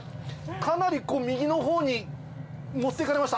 かなり右のほうに持って行かれました。